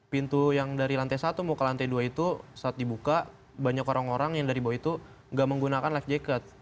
pintu yang dari lantai satu mau ke lantai dua itu saat dibuka banyak orang orang yang dari bawah itu nggak menggunakan life jacket